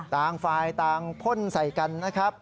ต่างฝ่ายต่างพ่นใส่กันนะครับ